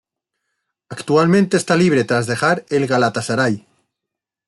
Actualmente está libre tras dejar el Galatasaray.